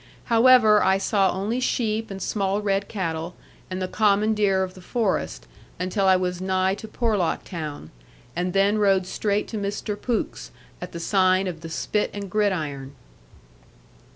However, I saw only sheep and small red cattle, and the common deer of the forest, until I was nigh to Porlock town, and then rode straight to Mr. Pooke's, at the sign of the Spit and Gridiron.